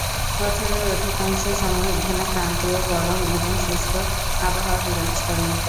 বছরের অধিকাংশ সময়ই এখানে ক্রান্তীয় গরম এবং শুষ্ক আবহাওয়া বিরাজ করে।